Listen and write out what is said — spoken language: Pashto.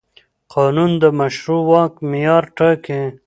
قانون د مشروع واک معیار ټاکي.